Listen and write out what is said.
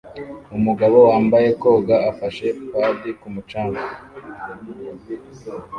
Umugabo wambaye koga afashe padi ku mucanga